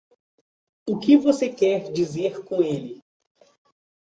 O que você quer dizer com ele?